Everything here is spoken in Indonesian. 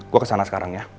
gue kesana sekarang ya